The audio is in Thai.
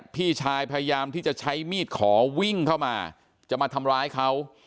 พี่ชายพยายามที่จะใช้มีดขอวิ่งเข้ามาจะมาทำร้ายเขา